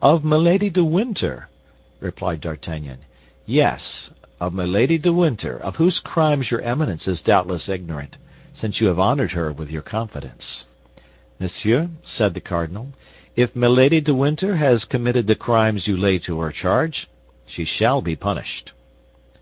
"Of Milady de Winter," replied D'Artagnan, "yes, of Milady de Winter, of whose crimes your Eminence is doubtless ignorant, since you have honored her with your confidence." "Monsieur," said the cardinal, "if Milady de Winter has committed the crimes you lay to her charge, she shall be punished."